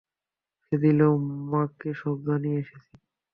সে দিলেও, মাকে সব জানিয়ে এসেছি।